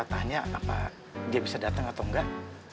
tanya apa dia bisa datang atau enggak